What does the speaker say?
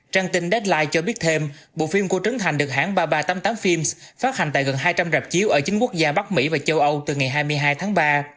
trang tin deadline cho biết thêm bộ phim của trấn thành được hãng ba nghìn ba trăm tám mươi tám films phát hành tại gần hai trăm linh rạp chiếu ở chính quốc gia bắc mỹ và châu âu từ ngày hai mươi hai tháng ba